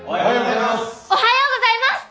おはようございます。